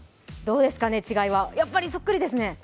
どうですかね、違いは、やっぱりそっくりですね。